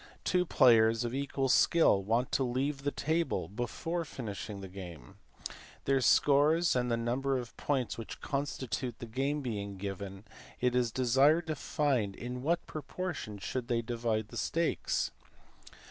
Two players of equal skill want to leave the table before finishing their game. Their scores and the number of points which constitute the game being given, it is desired to find in what proportion should they divide the stakes.